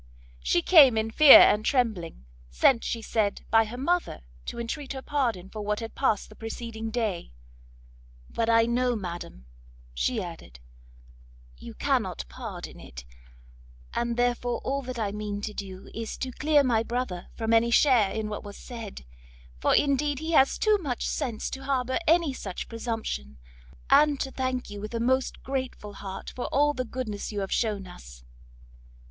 She came in fear and trembling, sent, she said, by her mother, to entreat her pardon for what had passed the preceding day; "But I know, madam," she added, "you cannot pardon it, and therefore all that I mean to do is to clear my brother from any share in what was said, for indeed he has too much sense to harbour any such presumption; and to thank you with a most grateful heart for all the goodness you have shewn us."